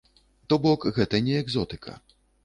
То бок, гэта не экзотыка.